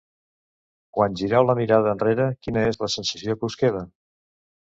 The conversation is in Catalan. Quan gireu la mirada enrere, quina és la sensació que us queda?